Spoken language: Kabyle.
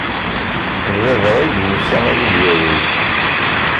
D baba ay d-yusan ad iyi-yawi.